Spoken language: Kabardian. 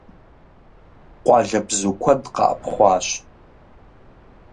Къуалэбзу куэд къэӀэпхъуащ.